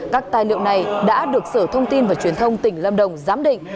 các tài liệu này đã được sở thông tin và truyền thông tỉnh lâm đồng giám định